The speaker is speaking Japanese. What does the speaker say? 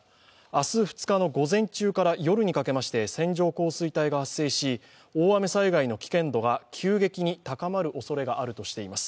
明日、２日の午前中から夜にかけまして線状降水帯が発生し大雨災害の危険度が、急激に高まるおそれがあるとしています。